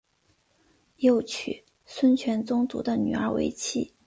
又娶孙权宗族的女儿为妻。